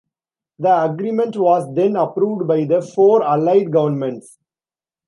The agreement was then approved by the four Allied governments.